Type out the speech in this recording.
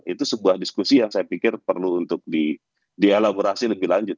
itu sebuah diskusi yang saya pikir perlu untuk dielaborasi lebih lanjut